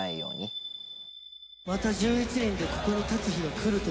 また１１人でここに立つ日が来るとは。